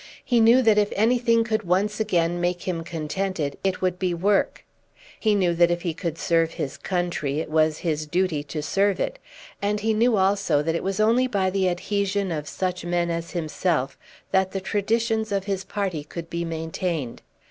He knew that if anything could once again make him contented it would be work; he knew that if he could serve his country it was his duty to serve it; and he knew also that it was only by the adhesion of such men as himself that the traditions of his party could be maintained.